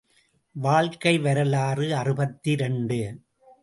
வாழ்க்கை வரலாறு அறுபத்திரண்டு.